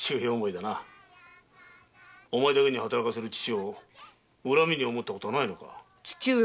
お前だけに働かせる父を恨みに思うことはないのか？